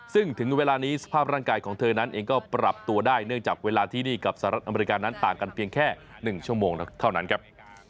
ซึ่งถึงเวลานี้สภาพร่างกายของเธอนั้นเองก็ปรับตัวได้เนื่องจากเวลาที่นี่กับสหรัฐอเมริกานั้นต่างกันเพียงแค่๑ชั่วโมงเท่านั้นครับ